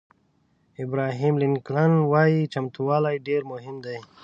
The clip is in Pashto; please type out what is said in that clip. ابراهیم لینکلن وایي چمتووالی ډېر مهم دی.